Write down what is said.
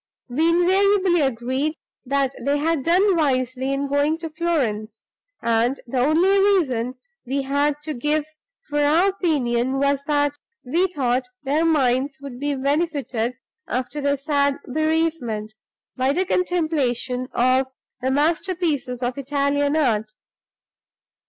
We invariably agreed that they had done wisely in going to Florence; and the only reason we had to give for our opinion was that we thought their minds would be benefited after their sad bereavement, by the contemplation of the masterpieces of Italian art.